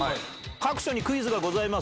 各所にクイズがございます。